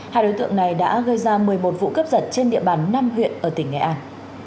hai đối tượng này đã gây ra một mươi một vụ cướp giật trên địa bàn năm huyện ở tỉnh nghệ an